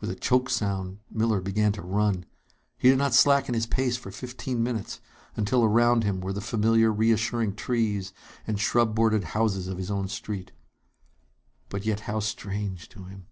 With a choked sound, Miller began to run. He did not slacken his pace for fifteen minutes, until around him were the familiar, reassuring trees and shrub bordered houses of his own street. But yet how strange to him!